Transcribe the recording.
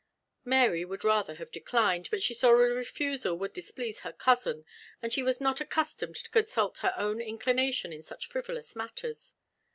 Mary would rather have declined, but she saw a refusal would displease her cousin; and she was not accustomed to consult her own inclination in such frivolous matters.